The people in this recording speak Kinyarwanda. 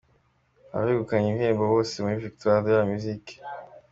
Abegukanye ibihembo bose muri "Victoires de la Musique".